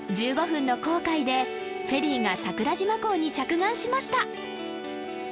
１５分の航海でフェリーが桜島港に着岸しました